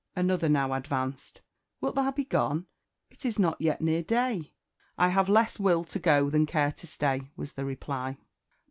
Another now advanced "Wilt thou be gone? It is not yet near day." "I have less will to go than care to stay," was the reply.